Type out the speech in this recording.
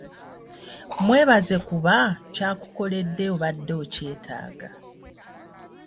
Mwebaze kuba kyakukoledde obadde okyetaaga.